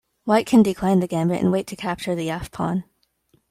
White can decline the gambit and wait to capture the f-pawn.